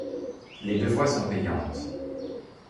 Les deux voies sont payantes.